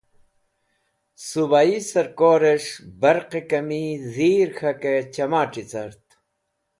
Subayi Sarkores̃h Barqe Kami Dheer K̃hake Chamati Cert